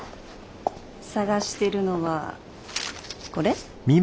探してるのはこれ？